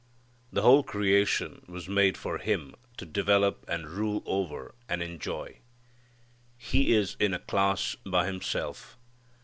The whole creation was made for him to develop and rule over and enjoy. He is in a class by himself.